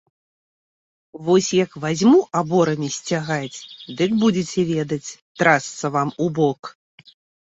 Вось як вазьму аборамі сцягаць, дык будзеце ведаць, трасца вам у бок!